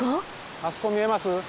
あそこ見えます？